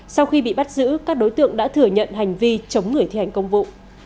sau khi bị bắt giữ các đối tượng đã thừa nhận hành vi chống người thi hành công vụ